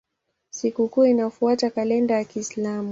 Sikukuu inafuata kalenda ya Kiislamu.